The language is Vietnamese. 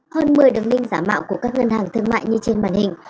hơn một mươi đường ninh giả mạo của các ngân hàng thương mại như trên bản hình